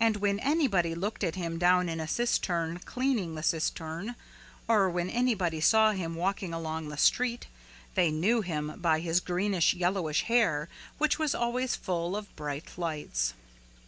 And when anybody looked at him down in a cistern cleaning the cistern or when anybody saw him walking along the street they knew him by his greenish yellowish hair which was always full of bright lights.